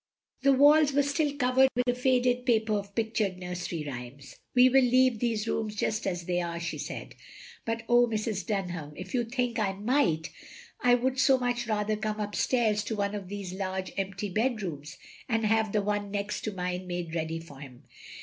The walls were still covered with a faded papei of picttired nursery rhymes. "We will leave these rooms just as they are," she said, "but oh, Mrs. Dunham, if you think I might, I wotdd so much rather come up stairs to one of these large empty bedrooms, and have the one next to mine made ready for him.